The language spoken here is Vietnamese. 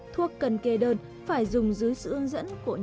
thuốc cần kề đơn phải dùng dưới sự ưu dẫn của nhân viên y tế